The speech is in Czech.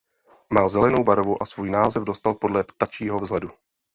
Má zelenou barvu a svůj název dostal podle "ptačího" vzhledu.